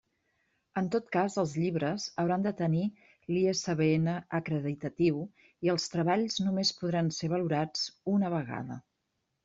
En tot cas els llibres hauran de tenir l'ISBN acreditatiu, i els treballs només podran ser valorats una vegada.